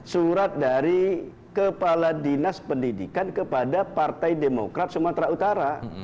surat dari kepala dinas pendidikan kepada partai demokrat sumatera utara